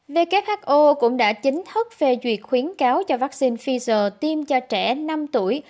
who cũng đã chính thức phê duyệt khuyến cáo cho vaccine pfizer tiêm cho trẻ năm tuổi